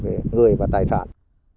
về người và tài sản